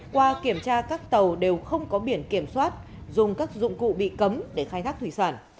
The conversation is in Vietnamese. qua kiểm tra các tàu đều không có biển kiểm soát dùng các dụng cụ bị cấm để khai thác thủy sản